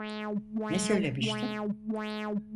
Ne söylemiştin?